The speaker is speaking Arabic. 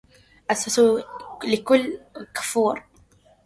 أسسوا لكل كفور